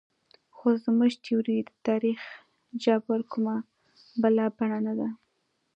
خو زموږ تیوري د تاریخ جبر کومه بله بڼه نه ده.